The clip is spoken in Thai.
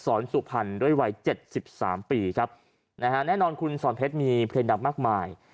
สุพรรณด้วยวัยเจ็ดสิบสามปีครับนะฮะแน่นอนคุณสอนเพชรมีเพลงดังมากมาย